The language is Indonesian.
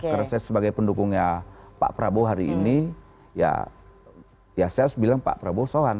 karena saya sebagai pendukungnya pak prabowo hari ini ya saya harus bilang pak prabowo soan